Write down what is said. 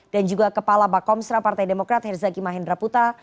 dan juga kepala pak komstra partai demokrat herzaki mahendra putra